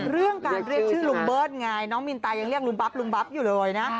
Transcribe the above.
เรื่องการเรียกชื่อลุงเบิร์ตไงน้องมินตายังเรียกลุงปั๊บลุงปั๊บอยู่เลยนะ